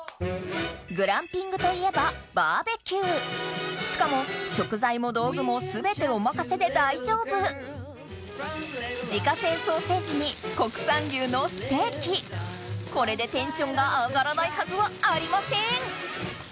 グランピングといえばバーベキューしかも食材も道具も全てお任せで大丈夫これでテンションが上がらないはずはありません